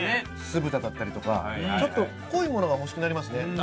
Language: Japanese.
酢豚だったりとかちょっと濃いものが欲しくなりますね。